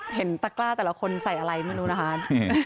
เห็นตักล้าแต่ละคนใส่อะไรไม่รู้นะครับ